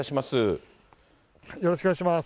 よろしくお願いします。